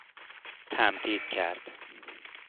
تمدید کرد